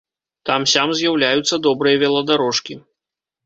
Там-сям з'яўляюцца добрыя веладарожкі.